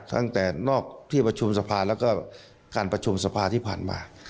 ตั้งแต่นอกที่ประชุมสภาแล้วก็การประชุมสภาที่ผ่านมา